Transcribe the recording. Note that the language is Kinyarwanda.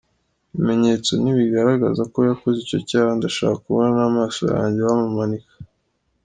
Ibimenyetso nibigaragaza ko yakoze icyo cyaha, ndashaka kubona n’amaso yanjye bamumanika.